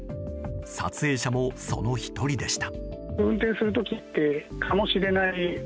撮影者も、その１人でした。